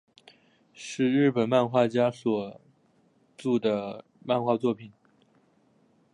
是日本漫画家所着的漫画作品。